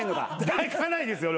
抱かないですよ